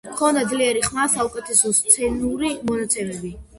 ჰქონდა ძლიერი ხმა, საუკეთესო სცენური მონაცემები.